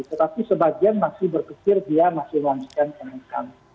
tetapi sebagian masih berkecil dia masih meluangkan kenaikan